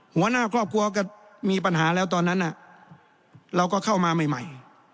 หัวหน้าครอบครัวก็มีปัญหาแล้วตอนนั้นเราก็เข้ามาใหม่